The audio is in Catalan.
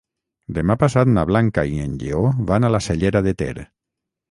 Demà passat na Blanca i en Lleó van a la Cellera de Ter.